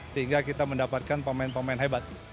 sehingga kita mendapatkan pemain pemain hebat